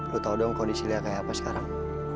lo tau dong kondisi liat kayak apa sekarang